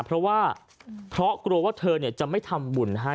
เพราะว่าเพราะกลัวว่าเธอจะไม่ทำบุญให้